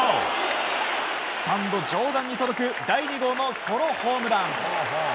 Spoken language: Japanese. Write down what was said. スタンド上段に届く第２号のソロホームラン。